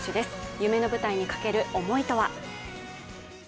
夢の舞台にかける思いとは。